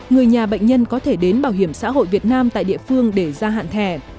người nhà bệnh nhân có thể đến bảo hiểm xã hội việt nam tại địa phương để gia hạn thẻ